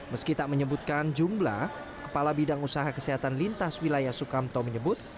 meski tak menyebutkan jumlah kepala bidang usaha kesehatan lintas wilayah sukamto menyebut